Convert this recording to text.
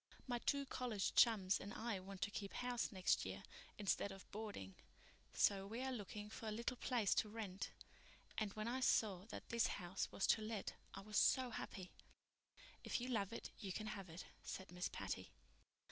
My two college chums and I want to keep house next year instead of boarding, so we are looking for a little place to rent; and when I saw that this house was to let I was so happy." "If you love it, you can have it," said Miss Patty.